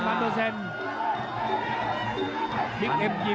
ฟังเอ็มยิม